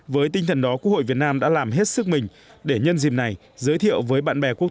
với tinh thần đó quốc hội việt nam đã làm hết sức mình để nhân dịp này giới thiệu với bạn bè quốc